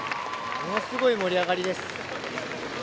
ものすごい盛り上がりです。